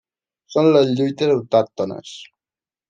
Són les lluites autòctones.